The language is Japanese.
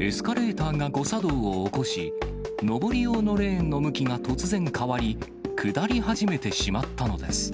エスカレーターが誤作動を起こし、上り用のレーンの向きが突然変わり、下り始めてしまったのです。